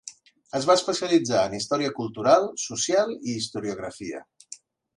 Es va especialitzar en Història Cultural, Social i Historiografia.